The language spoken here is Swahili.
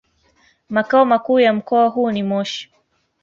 Makao makuu ya mkoa huu ni Moshi.